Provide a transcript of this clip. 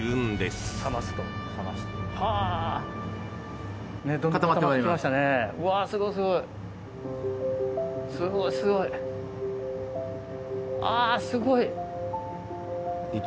すごい、すごい。